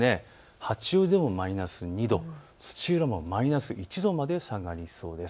八王子でもマイナス２度土浦もマイナス１度まで下がりそうです。